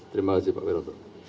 terima kasih pak wira tukaru